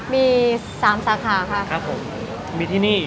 มีสามสาขาค่ะครับผมมีที่นี่